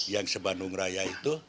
yang sebandung raya itu